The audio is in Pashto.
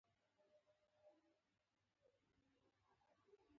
منډه د جسم لپاره تحفه ده